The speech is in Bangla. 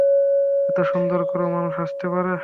এত সুন্দর করেও মানুষ হাসতে পারে!